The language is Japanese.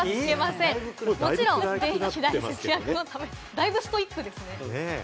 だいぶストイックですね。